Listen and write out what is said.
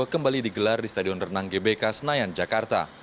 kembali digelar di stadion renang gbk senayan jakarta